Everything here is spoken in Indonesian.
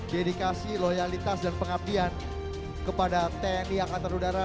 dedikasi loyalitas dan pengabdian kepada tni akadarudara